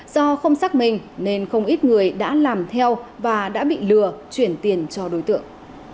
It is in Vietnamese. do không xác minh nên không ít người đã làm theo và đã bị lừa chuyển tiền cho đối tượng